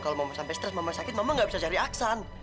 kalau mau sampai stres mama sakit mama nggak bisa cari aksan